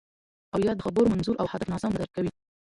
او یا د خبرو منظور او هدف ناسم نه درک کوئ